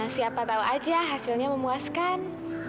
siapa tahu aja hasilnya memuaskan